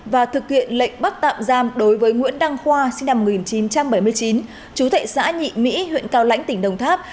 và thực hiện lệnh bắt tạm giam đối với nguyễn đăng khoa sinh năm một nghìn chín trăm bảy mươi chín chú thệ xã nhị mỹ huyện cao lãnh tỉnh đồng tháp